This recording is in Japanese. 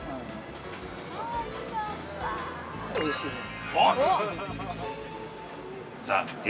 ◆うれしいです。